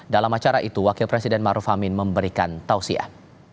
dalam acara itu wakil presiden maruf amin memberikan tausiah